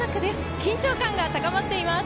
緊張感が高まっています。